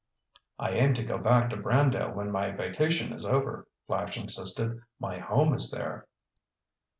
"I aim to go back to Brandale when my vacation is over," Flash insisted. "My home is there."